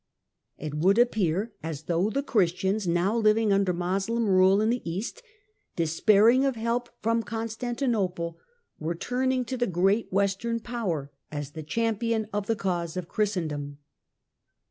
It would appear as though the Christians now living |under Moslem rule in the East, despairing of help from Constantinople, were turning to the great Western power as the champion of the cause of Christendom.